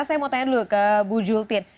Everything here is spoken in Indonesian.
saya mau tanya dulu ke bu jultin